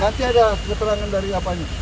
nanti ada keterangan dari apanya